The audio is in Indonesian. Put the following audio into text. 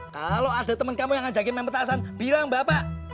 kalau ada temen kamu yang ngajakin main petasan bilang mbak pak